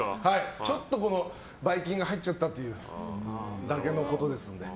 ちょっと、ばい菌が入っちゃったっていうだけのことですので。